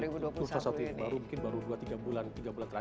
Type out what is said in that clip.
mungkin baru dua tiga bulan terakhir nih mbak desya